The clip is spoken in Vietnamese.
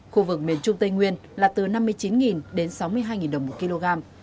khu vực miền trung tây nguyên là từ năm mươi chín đến sáu mươi hai đồng một kg